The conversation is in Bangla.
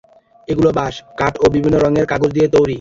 এগুলো বাঁশ, কাঠ ও বিভিন্ন রঙের কাগজ দিয়ে তৈরি।